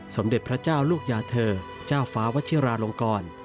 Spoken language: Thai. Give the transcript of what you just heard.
สมเด็จพระเจ้าลูกยาเธอเจ้าฟ้าวัชิราลงกร